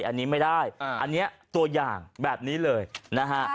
อันนี้ไม่ได้อันนี้ตัวอย่างแบบนี้เลยนะฮะ